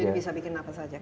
jadi bisa bikin apa saja